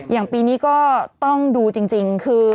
อย่างปีนี้ก็ต้องดูจริงคือ